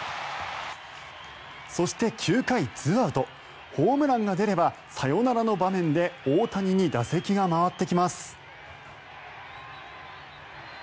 そして、９回２アウトホームランが出ればサヨナラの場面で大谷に打席が回ってきます。